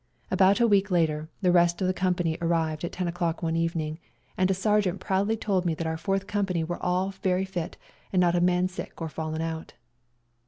About a week later the rest of the com pany arrived about 10 o'clock one evening, 212 WE GO TO CORFU and a sergeant proudly told me that our Fourth Company were all very fit and not a man sick or fallen out.